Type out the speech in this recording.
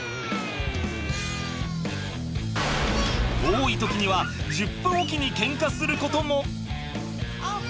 多い時には１０分置きにケンカすることも。